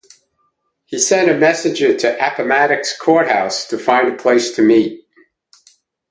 He sent a messenger to Appomattox Court House to find a place to meet.